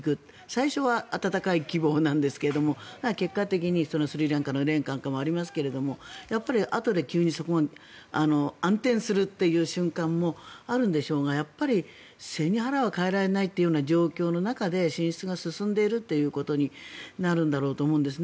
最初は温かい希望なんですが結果的にスリランカの例なんかもありますけどやっぱり急にそこが暗転するという瞬間もあるんでしょうが背に腹は代えられないという状況の中で進出が進んでいることになるんだろうと思うんです。